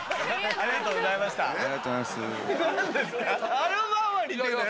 ありがとうございます。